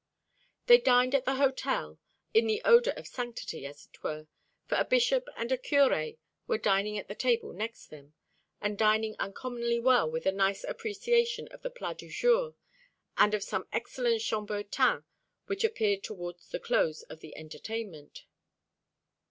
They dined at the hotel, in the odour of sanctity, as it were, for a bishop and a curé were dining at the table next them, and dining uncommonly well with a nice appreciation of the plat du jour, and of some excellent chambertin which appeared towards the close of the entertainment.